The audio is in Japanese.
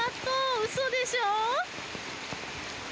うそでしょ？